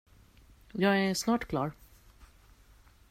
Jag är snart klar.